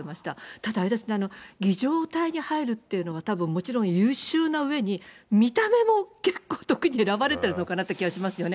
ただあれですね、儀じょう隊に入るっていうのは、たぶん、もちろん優秀なうえに、見た目も結構、特に選ばれているのかなって思いますけどね。